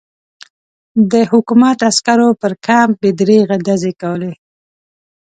د حکومت عسکرو پر کمپ بې دریغه ډزې کولې.